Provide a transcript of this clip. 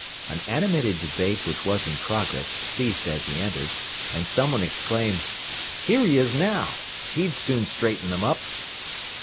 An animated debate which was in progress ceased as he entered, and someone exclaimed, "Here he is now. He'd soon straighten them up."